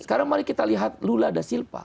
sekarang mari kita lihat lula da silpa